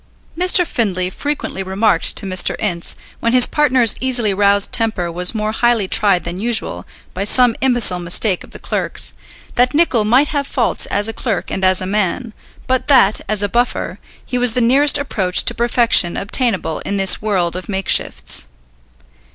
Mr. Findlay frequently remarked to Mr. Ince, when his partner's easily roused temper was more highly tried than usual by some imbecile mistake of the clerk's, that Nicol might have faults as a clerk and as a man, but that, as a buffer, he was the nearest approach to perfection obtainable in this world of makeshifts.